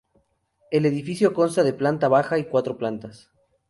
El edificio consta de planta baja y cuatro plantas.